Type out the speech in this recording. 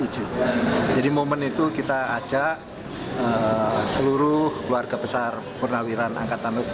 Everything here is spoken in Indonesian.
jadi momen itu kita ajak seluruh keluarga besar purnawirawan angkatan laut